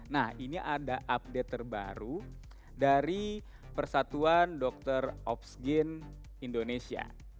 nah ini ada update terbaru dari persatuan dokter opskin indonesia